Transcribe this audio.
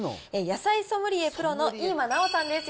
野菜ソムリエプロの飯間奈緒さんです。